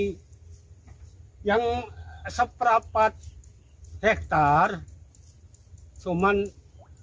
ini yang seprapat hektare